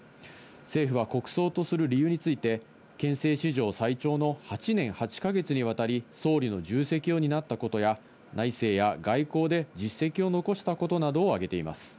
政府は国葬とする理由について、憲政史上最長の８年８か月にわたり総理の重責を担ったことや、内政や外交で実績を残したことなどを挙げています。